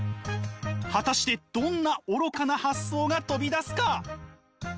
果たしてどんな愚かな発想が飛び出すか？